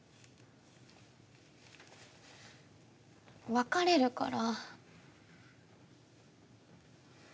別れるから。